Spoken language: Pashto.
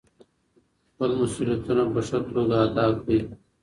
خپل مسؤلیتونه په ښه توګه ادا کړئ.